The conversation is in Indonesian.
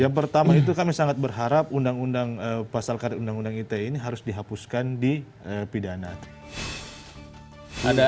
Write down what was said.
yang pertama itu kami sangat berharap pasal karet undang undang ite ini harus dihapuskan di pidana